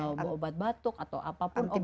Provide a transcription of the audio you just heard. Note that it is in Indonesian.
kalau obat batuk atau apa pun bisa